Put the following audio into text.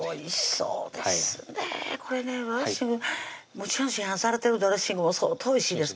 もちろん市販されてるドレッシングも相当おいしいですけどね